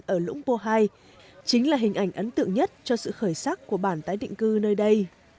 ở lũng pô hai chính là hình ảnh ấn tượng nhất cho sự khởi sắc của bản tái định cư nơi đây